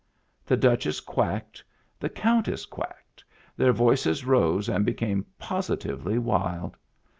The Duchess quacked; the Countess quacked; their voices rose and became positively wild.